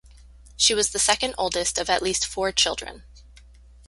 She was the second oldest of at least four children.